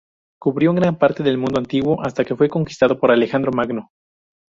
Cubrió gran parte del mundo antiguo hasta que fue conquistado por Alejandro Magno.